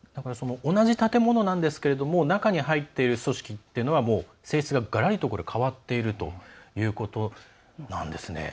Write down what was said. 同じ建物ですが中に入っている組織というのはもう性質ががらりと変わっているということなんですね。